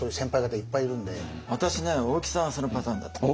私ね大木さんはそのパターンだと思う。